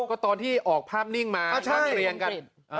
ก็ตอนที่ออกภาพนิ่งมาเรียงกัน